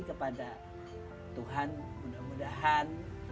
kepada tuhan mudah mudahan